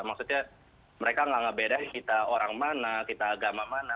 maksudnya mereka gak ngebedain kita orang mana kita agama mana